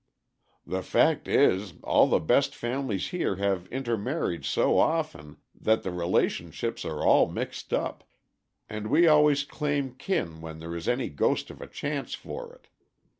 The fact is, all the best families here have intermarried so often that the relationships are all mixed up, and we always claim kin when there is any ghost of a chance for it.